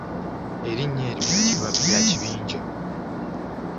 Erinnya eryo lya kibinja.